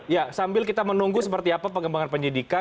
ya sambil kita menunggu seperti apa pengembangan penyidikan